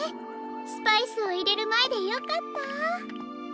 スパイスをいれるまえでよかった。